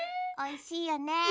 おいしいよね。